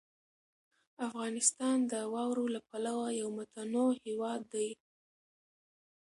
افغانستان د واورو له پلوه یو متنوع هېواد دی.